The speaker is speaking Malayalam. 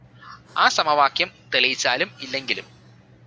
ആ സമവാക്യം തെളിയിച്ചാലും ഇല്ലെങ്കിലും